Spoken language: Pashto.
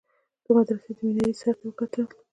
د مدرسې د مينارې سر ته يې وكتل.